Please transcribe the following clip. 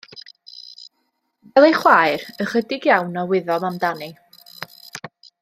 Fel ei chwaer, ychydig iawn a wyddom amdani.